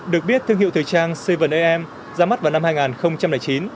được biết thương hiệu thời trang seven am ra mắt vào năm hai nghìn chín